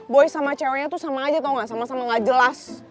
boy sama ceweknya tuh sama aja atau nggak sama sama gak jelas